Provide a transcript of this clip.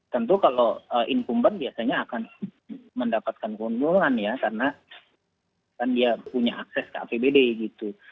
tentu kalau incumbent biasanya akan mendapatkan keuntungan ya karena kan dia punya akses ke apbd gitu